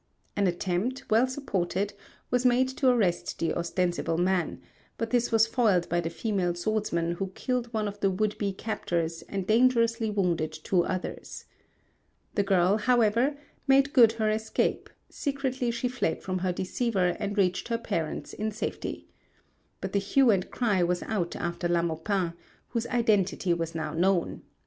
An attempt, well supported, was made to arrest the ostensible man; but this was foiled by the female swordsman who killed one of the would be captors and dangerously wounded two others. The girl, however, made good her escape; secretly she fled from her deceiver and reached her parents in safety. But the hue and cry was out after La Maupin, whose identity was now known.